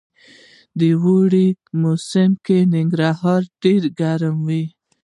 د اوړي موسم کي ننګرهار ډير ګرم وي